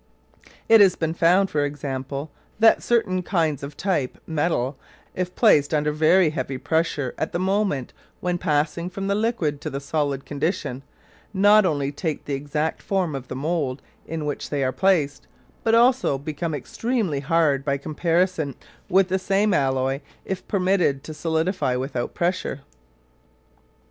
It has been found, for example, that certain kinds of type metal, if placed under very heavy pressure at the moment when passing from the liquid to the solid condition, not only take the exact form of the mould in which they are placed, but become extremely hard by comparison with the same alloy if permitted to solidify without pressure.